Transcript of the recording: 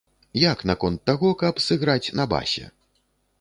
Як наконт таго, каб сыграць на басе?